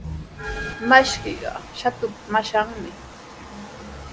Makshiqa Shatupa mashanmi.